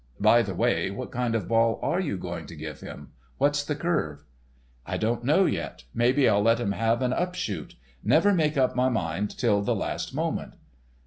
By the way, what kind of ball are you going to give him? What's the curve?" "I don't know yet. Maybe I'll let him have an up shoot. Never make up my mind till the last moment."